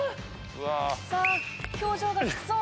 さあ表情がきつそう。